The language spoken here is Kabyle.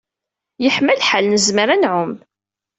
Yeḥma lḥal, nezmer ad nɛum.